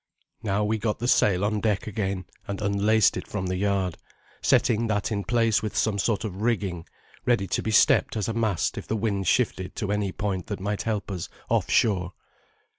Now we got the sail on deck again, and unlaced it from the yard, setting that in place with some sort of rigging, ready to be stepped as a mast if the wind shifted to any point that might help us off shore.